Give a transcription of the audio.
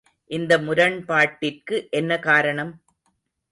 இந்த முரண்பாட்டிற்கு என்ன காரணம்?